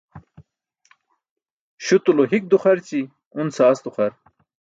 Śutulo hik duxarći, un saas duxar.